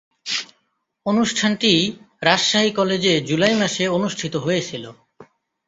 অনুষ্ঠানটি রাজশাহী কলেজে জুলাই মাসে অনুষ্ঠিত হয়েছিলো।